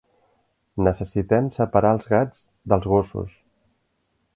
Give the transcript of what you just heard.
Necessitem separar els gats dels gossos.